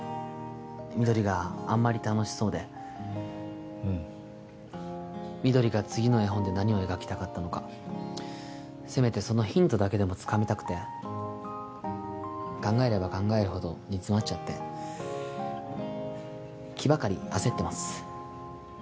みどりがあんまり楽しそうでうんみどりが次の絵本で何を描きたかったのかせめてそのヒントだけでもつかみたくて考えれば考えるほど煮詰まっちゃって気ばかり焦ってます